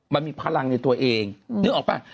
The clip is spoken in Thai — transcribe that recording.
มันมีพลังในตัวเองนึกออกป่ะ